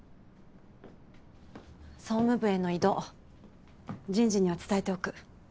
総務部への異動人事には伝えておく。